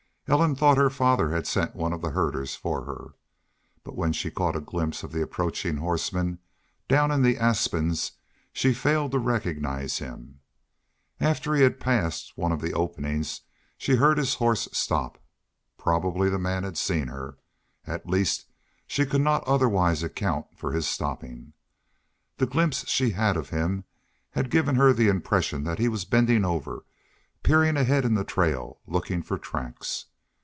Ellen thought her father had sent one of the herders for her. But when she caught a glimpse of the approaching horseman, down in the aspens, she failed to recognize him. After he had passed one of the openings she heard his horse stop. Probably the man had seen her; at least she could not otherwise account for his stopping. The glimpse she had of him had given her the impression that he was bending over, peering ahead in the trail, looking for tracks.